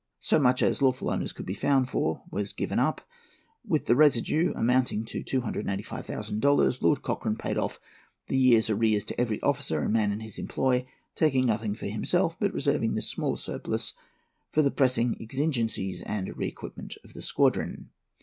So much as lawful owners could be found for was given up to them. With the residue, amounting to 285,000 dollars, Lord Cochrane paid off the year's arrears to every officer and man in his employ, taking nothing for himself, but reserving the small surplus for the pressing exigencies and re equipment of the squadron.